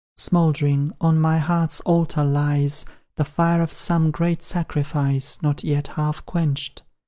Smouldering, on my heart's altar lies The fire of some great sacrifice, Not yet half quenched.